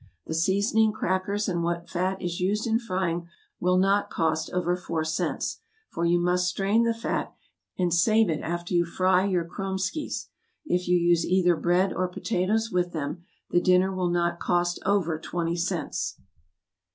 The seasoning, crackers, and what fat is used in frying, will not cost over four cents, for you must strain the fat, and save it after you fry your KROMESKYS; if you use either bread or potatoes with them, the dinner will not cost over twenty cents.